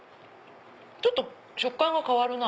ちょっと食感が変わるな。